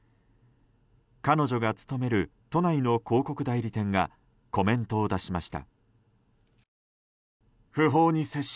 彼女が勤める都内の広告代理店がコメントを出しました。